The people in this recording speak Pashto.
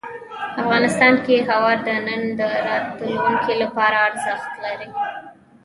افغانستان کې هوا د نن او راتلونکي لپاره ارزښت لري.